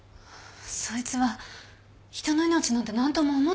そいつは人の命なんて何とも思ってない女なの。